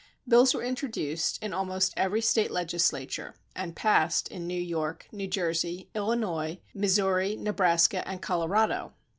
Bills were introduced in almost every State legis lature and passed in New York, New Jersey, Illinois, Missouri, Nebraska and Colorado.